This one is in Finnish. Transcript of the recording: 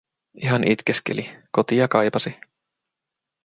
Ihan itkeskeli, kotia kaipasi.